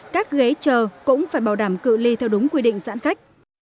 các ghế chờ cũng phải bảo đảm cự ly theo đúng quy định giãn cách